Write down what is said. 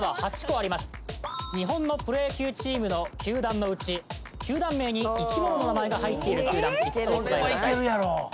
日本のプロ野球チームの球団のうち球団名に生き物の名前が入っている球団５つお答えください